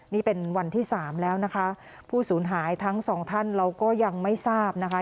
นี่เป็นวันที่สามแล้วนะคะผู้สูญหายทั้งสองท่านเราก็ยังไม่ทราบนะคะ